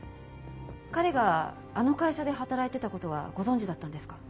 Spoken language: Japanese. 彼があの会社で働いてた事はご存じだったんですか？